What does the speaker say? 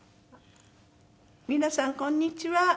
皆さんこんにちは。